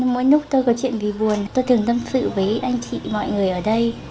mỗi lúc tôi có chuyện vì buồn tôi thường tâm sự với anh chị mọi người ở đây